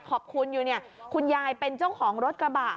ขอบคุณอยู่เนี่ยคุณยายเป็นเจ้าของรถกระบะ